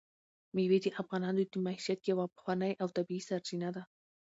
مېوې د افغانانو د معیشت یوه پخوانۍ او طبیعي سرچینه ده.